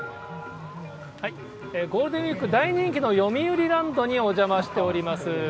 ゴールデンウィーク大人気のよみうりランドにお邪魔しております。